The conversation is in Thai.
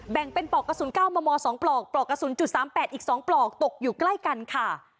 แบ่งเป็นปลอกกระสุนเก้ามอมอสองปลอกปลอกกระสุนจุดสามแปดอีกสองปลอกตกอยู่ใกล้กันค่ะ